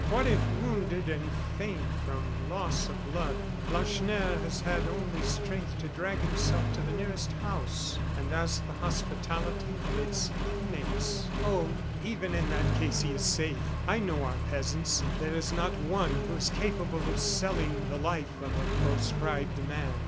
What, if wounded and faint from loss of blood, Lacheneur has had only strength to drag himself to the nearest house and ask the hospitality of its inmates?" "Oh! even in that case he is safe; I know our peasants. There is not one who is capable of selling the life of a proscribed man."